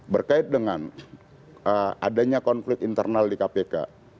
berkait dengan adanya konflik internal di kpk